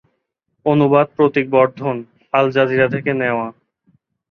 অনুবাদ Pratik Bardhan, Al Jazeera থেকে নেওয়া।